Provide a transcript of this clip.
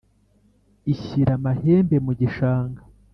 ishyira amahembe mu gishanga.